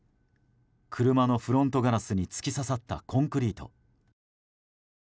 車のフロントガラスに突き刺さったコンクリート。